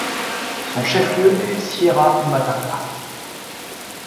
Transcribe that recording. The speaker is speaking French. Son chef-lieu est Sierra Imataca.